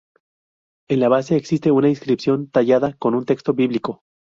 En la base, existe una inscripción tallada con un texto bíblico.